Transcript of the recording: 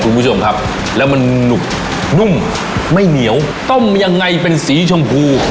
คุณผู้ชมครับแล้วมันหนุกนุ่มไม่เหนียวต้มยังไงเป็นสีชมพู